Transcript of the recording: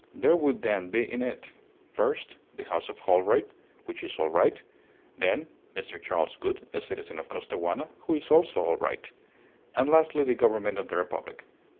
There would then be in it: first, the house of Holroyd, which is all right; then, Mr. Charles Gould, a citizen of Costaguana, who is also all right; and, lastly, the Government of the Republic.